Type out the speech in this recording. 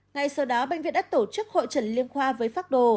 ngay sau đó bệnh viện đã tổ chức hội trần liên khoa với phác đồ